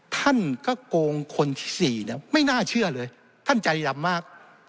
ท่านก็โกงคนที่๔เนี่ยไม่น่าเชื่อเลยท่านใจดำมาก